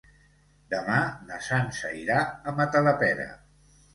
Demà na Sança irà a Matadepera.